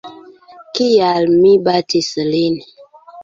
Kial mi batis lin?